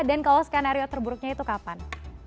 dan kalau skenario terburuknya itu kapan